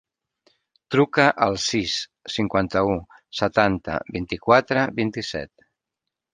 Truca al sis, cinquanta-u, setanta, vint-i-quatre, vint-i-set.